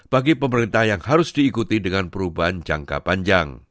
bagi pemerintah yang harus diikuti dengan perubahan jangka panjang